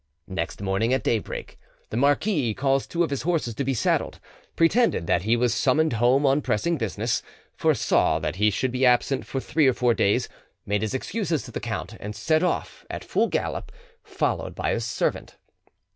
Next morning, at daybreak, the marquis caused two of his horses to be saddled, pretended that he was summoned home on pressing business, foresaw that he should be absent for three or four days, made his excuses to the count, and set off at full gallop, followed by his servant.